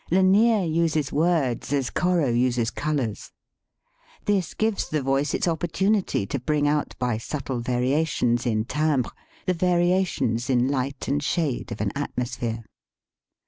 Lanier uses words as Corot uses colors. This gives the voice its opporttmity to bring out by subtle variations in timbre the variations in light and shade of an atmosphere.